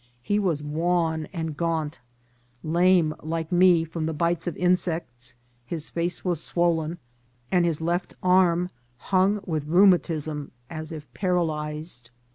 He was wan and gaunt ; lame, like me, from the bites of insects ; his face was swollen, and his left arm hung with rheumatism as if paralyzed.